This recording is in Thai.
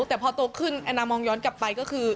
แต่พอโตขึ้นแอนนามองย้อนกลับไปก็คือ